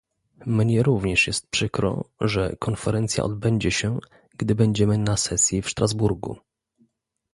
Mnie również jest przykro, że konferencja odbędzie się, gdy będziemy na sesji w Sztrasburgu